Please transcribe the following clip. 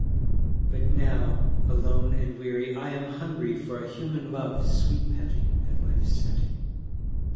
But now, alone and weary, I am hungry For a human love's sweet petting At life's setting.